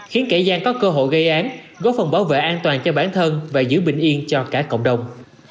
khiến kẻ gian có cơ hội gây án góp phần bảo vệ an toàn cho bản thân và giữ bình yên cho cả cộng đồng